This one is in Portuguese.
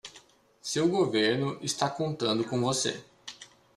Seu governo está contando com você.